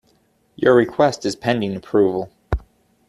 Your request is pending approval.